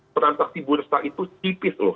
transaksi bursa itu tipis loh